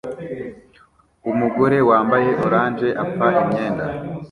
Umugore wambaye orange apfa imyenda